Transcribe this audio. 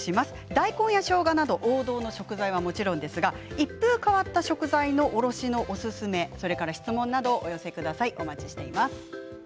大根やしょうがなど王道の食材はもちろんですが一風、変わった食材のおろしのおすすめや質問をお待ちしています。